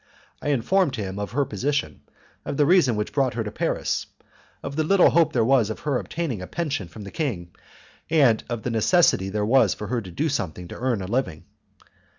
I informed him of her position, of the reason which had brought her to Paris, of the little hope there was of her obtaining a pension from the king, and of the necessity there was for her to do something to earn a living.